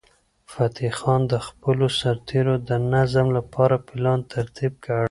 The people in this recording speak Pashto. فتح خان د خپلو سرتیرو د نظم لپاره پلان ترتیب کړ.